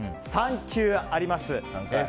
３球あります。